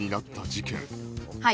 はい。